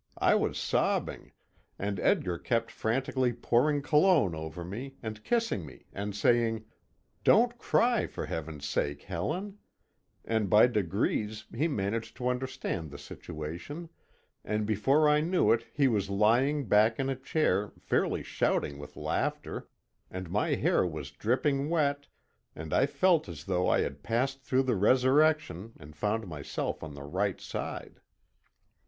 I was sobbing, and Edgar kept frantically pouring cologne over me, and kissing me and saying: "Don't cry, for heaven's sake, Helen," and by degrees he managed to understand the situation, and before I knew it he was lying back in a chair fairly shouting with laughter, and my hair was dripping wet, and I felt as though I had passed through the resurrection, and found myself on the right side.